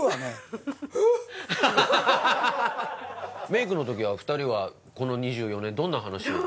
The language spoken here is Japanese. メイクの時は２人はこの２４年どんな話を。